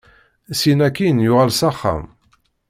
Syin akkin, yuɣal s axxam.